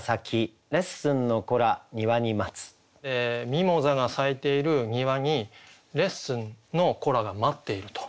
ミモザが咲いている庭にレッスンの子らが待っていると。